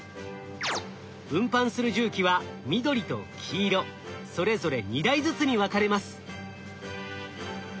運搬する重機は緑と黄色それぞれ２台ずつに分かれます。